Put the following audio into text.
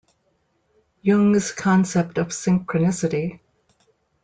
Jung's concept of Synchronicity.